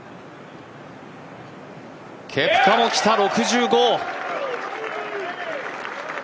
ケプカもきた６５！